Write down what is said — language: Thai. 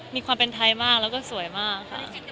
มีความเป็นไทยมากแล้วก็สวยมากค่ะ